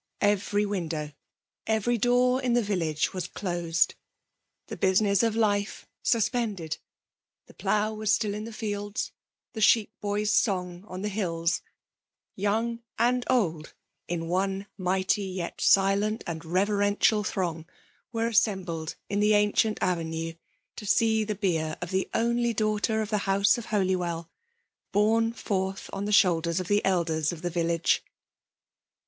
Eveij window, every door in the village, was doeed^ the business of life suspended ; the plough was still in the fields, the sheep boy's song on the FKMALE DOMINATION. 1S9 bills ; young and dd, in cme mighty yet silent and reverential throng, were assembled in the ancient avenue, to see the bier of the only daughter of the house of Holywell borne forth on the shoulders of the elders of the village.